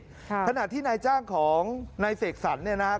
ขณะที่นายจ้างของนายเสกสรรเนี่ยนะครับ